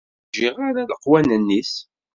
Ur ǧǧiɣ ara leqwanen-is.